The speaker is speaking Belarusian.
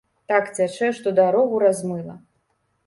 Так цячэ, што дарогу размыла.